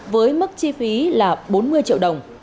với mức chi phí là bốn mươi triệu đồng